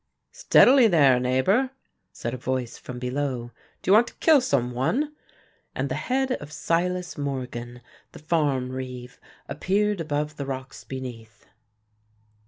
"Steadily there, neighbour," said a voice from below, "do you want to kill some one?" and the head of Silas Morgan, the farm reeve, appeared above the rocks beneath.